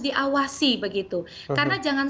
diawasi begitu karena jangan